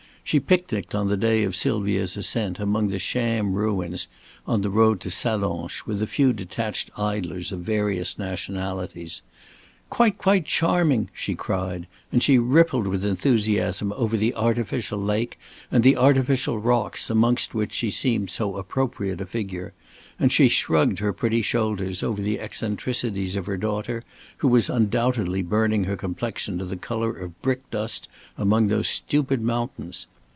She picnicked on the day of Sylvia's ascent amongst the sham ruins on the road to Sallanches with a few detached idlers of various nationalities. "Quite, quite charming," she cried, and she rippled with enthusiasm over the artificial lake and the artificial rocks amongst which she seemed so appropriate a figure; and she shrugged her pretty shoulders over the eccentricities of her daughter, who was undoubtedly burning her complexion to the color of brick dust among those stupid mountains.